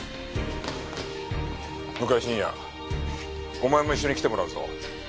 向井真哉お前も一緒に来てもらうぞ。